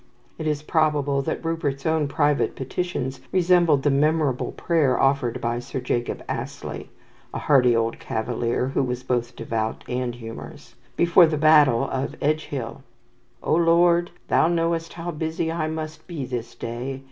It is probable that Rupert's own private petitions resembled the memorable prayer offered by Sir Jacob Astley (a hardy old Cavalier who was both devout and humorous) before the battle of Edgehill: "Oh, Lord, Thou knowest how busy I must be this day.